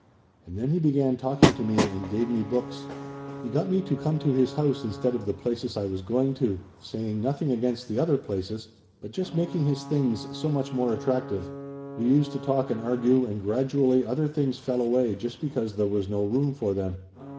And then he began talking to me and gave me books. He got me to come to his house instead of the places I was going to, saying nothing against the other places, but just making his things so much more attractive. We used to talk and argue and gradually other things fell away just because there was no room for them.